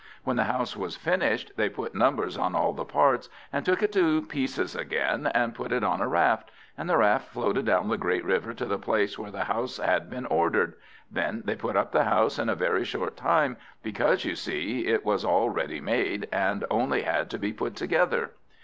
When the house was finished, they put numbers on all the parts, and took it to pieces again, and put it on a raft; and the raft floated down the great river to the place where the house had been ordered. Then they put up the house in a very short time, because you see it was all ready made, and only had to be put together.